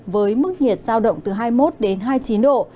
với mức nhiệt sao động từ hai mươi một hai mươi chín độ